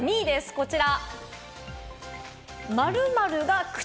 こちら。